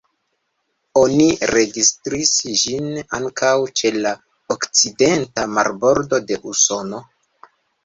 Oni registris ĝin ankaŭ ĉe la okcidenta marbordo de Usono.